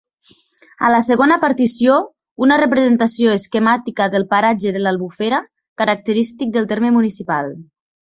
A la segona partició, una representació esquemàtica del paratge de l'Albufera, característic del terme municipal.